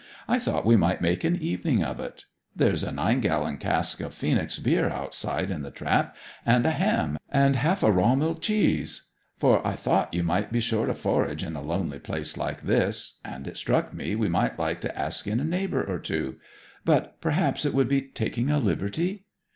'I thought we might make an evening of it. There's a nine gallon cask o' "Phoenix" beer outside in the trap, and a ham, and half a rawmil' cheese; for I thought you might be short o' forage in a lonely place like this; and it struck me we might like to ask in a neighbour or two. But perhaps it would be taking a liberty?'